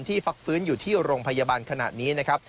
ที่ฟักฟื้นอยู่ที่โรงพยาบาลขนาดนี้